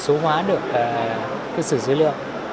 số hóa được cái sử dữ liệu